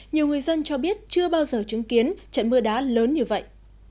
nhiều người dân cho biết chưa bao giờ chứng kiến trận mưa đá lớn như vậy